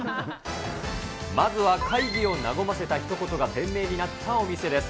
まずは会議を和ませたひと言が店名になったお店です。